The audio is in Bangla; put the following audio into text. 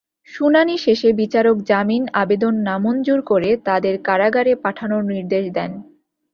শুনানি শেষে বিচারক জামিন আবদেন নামঞ্জুর করে তাঁদের কারাগারে পাঠানোর নির্দেশ দেন।